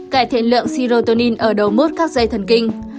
cải thiện lượng sirotonin ở đầu mốt các dây thần kinh